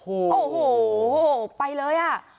โอ้โหไปเลยอ่ะ